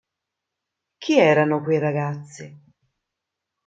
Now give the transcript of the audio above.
Chi erano quei ragazzi?